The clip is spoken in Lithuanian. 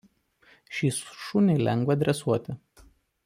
Šį šunį lengva dresuoti.